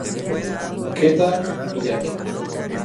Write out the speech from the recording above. Kenta Miyake